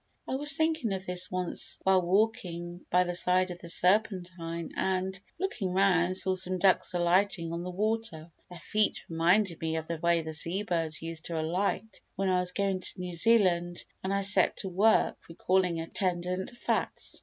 I was thinking of this once while walking by the side of the Serpentine and, looking round, saw some ducks alighting on the water; their feet reminded me of the way the sea birds used to alight when I was going to New Zealand and I set to work recalling attendant facts.